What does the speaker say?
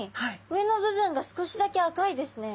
上の部分が少しだけ赤いですね。